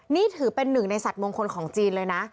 นี่ถือเป็นหนึ่งในสัตว์มงคลของจีนเลยนะ